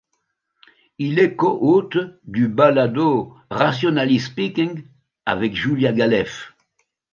Il est co-hôte du balado Rationally Speaking avec Julia Galef.